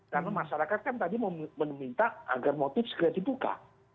karena masyarakat kan tadi meminta agar motif segera dibuka